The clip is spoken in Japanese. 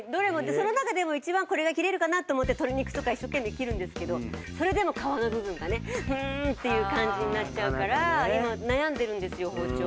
その中でも一番これが切れるかなって思って鶏肉とか一生懸命切るんですけどそれでも皮の部分がねフンーッていう感じになっちゃうから今悩んでるんですよ包丁。